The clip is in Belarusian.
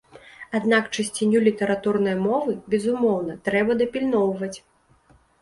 Аднак чысціню літаратурнай мовы, безумоўна, трэба дапільноўваць!